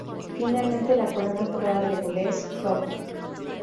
Finalmente la corona forrada de gules rojo.